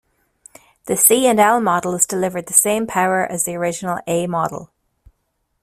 The C and L models delivered the same power as the original A model.